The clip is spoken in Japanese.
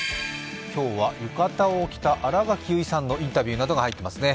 今日は浴衣を着た新垣結衣さんのインタビューが入ってますね。